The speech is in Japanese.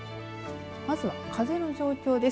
まずは風の状況です。